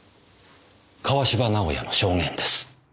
川芝直哉の証言です。